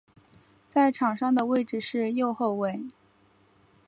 在场上的位置是右后卫。